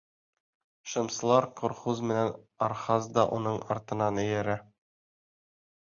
Шымсылар Корхуз менән Архаз да уның артынан эйәрә.